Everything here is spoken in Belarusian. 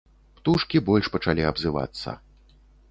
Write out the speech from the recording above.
Птушкі больш пачалі абзывацца.